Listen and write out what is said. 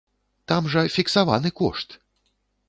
Там жа фіксаваны кошт!